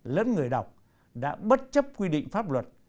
lẫn người đọc đã bất chấp quy định pháp luật